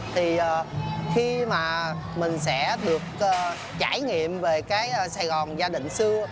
thì khi mà mình sẽ được trải nghiệm về cái sài gòn gia đình xưa